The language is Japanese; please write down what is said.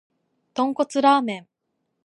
豚骨ラーメン